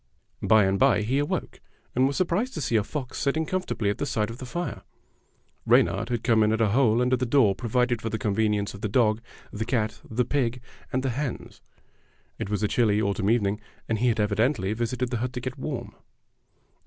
By and by he awoke, and was surprised to see a fox sitting comfortably at the side of the fire. Reynard had come in at a hole under the door provided for the convenience of the dog, the cat, the pig, and the hens. It was a chilly autumn evening, and he had evidently visited the hut to get warm.